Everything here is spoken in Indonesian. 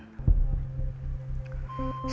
gimana menurut a kang